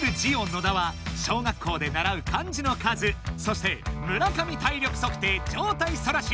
野田は「小学校でならう漢字の数」そして「村上体力測定上体反らし」